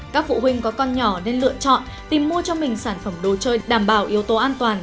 các phụ huynh có con nhỏ nên lựa chọn tìm mua cho mình sản phẩm đồ chơi đảm bảo yếu tố an toàn